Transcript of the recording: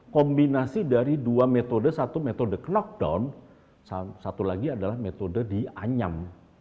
kombinasi dari dua metode satu metode knockdown satu lagi adalah metode dianyam